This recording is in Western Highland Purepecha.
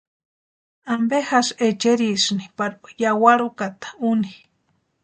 ¿Ampe jásï echerisïni pari yawarhi úkata úni?